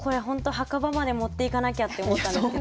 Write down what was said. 墓場まで持っていかなきゃって思ったんですけど。